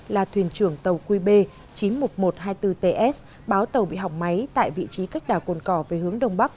là thuyền trưởng tàu qb chín mươi một nghìn một trăm hai mươi bốn ts báo tàu bị hỏng máy tại vị trí cách đảo cồn cỏ về hướng đông bắc